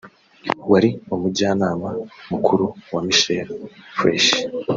wari Umujyanama mukuru wa Michel Flesch